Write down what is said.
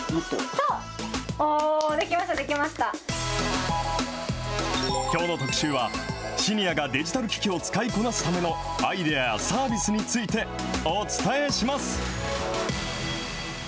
おー、出来ました、きょうの特集は、シニアがデジタル機器を使いこなすためのアイデアやサービスについてお伝えします。